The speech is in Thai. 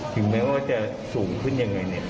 ถึงแม้ว่าจะสูงขึ้นยังไงเนี่ย